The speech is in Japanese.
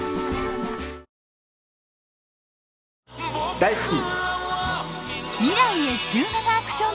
大好き！